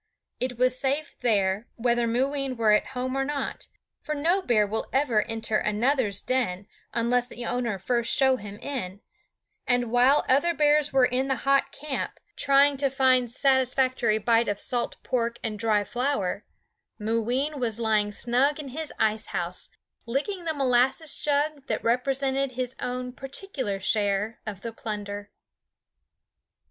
It was safe there, whether Mooween were at home or not, for no bear will ever enter another's den unless the owner first show him in; and while other bears were in the hot camp, trying to find a satisfactory bite of salt pork and dry flour, Mooween was lying snug in his ice house licking the molasses jug that represented his own particular share of the plunder.